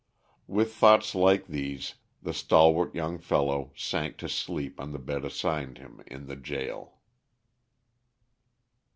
With thoughts like these the stalwart young fellow sank to sleep on the bed assigned him in the jail.